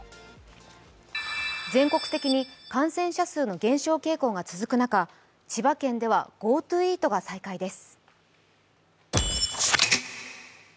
全国的に感染者数の減少傾向が続く中、千葉県ではＧｏＴｏイートが再開です。